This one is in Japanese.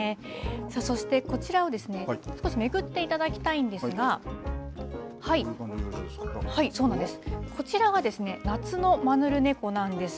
さあそして、こちらを少しめくっていただきたいんですが、こちらが夏のマヌルネコなんです。